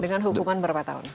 dengan hukuman berapa tahun